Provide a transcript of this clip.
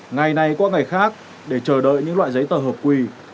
ngày này qua ngày khác để chờ đợi những loại giấy tờ hợp quỳ